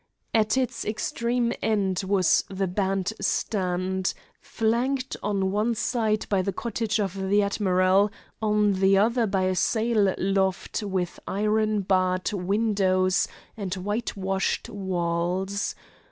At its extreme end was the band stand, flanked on one side by the cottage of the admiral, on the other by a sail loft with iron barred windows and whitewashed walls.